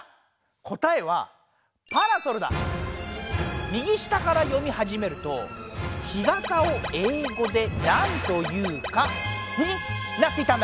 答えは右下から読みはじめると「ひがさをえいごでなんというか？」になっていたんだ！